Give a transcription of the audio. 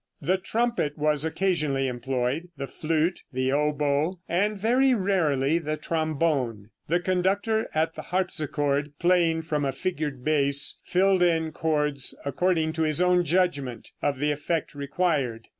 The trumpet was occasionally employed, the flute, the oboe, and very rarely the trombone. The conductor at the harpsichord, playing from a figured bass, filled in chords according to his own judgment of the effect required.